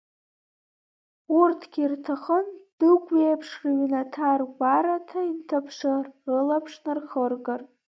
Урҭгьы ирҭахын, Дыгә иеиԥш, рыҩнаҭа-ргәараҭа инҭаԥшыр, рылаԥш нахыргар.